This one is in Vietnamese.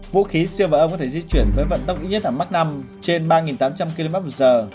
vũ khí siêu vợ âm có thể di chuyển với vận tốc ít nhất ở mach năm trên ba tám trăm linh kmh